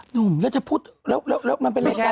หนุ่มแล้วจะพูดแล้วมันเป็นรายการ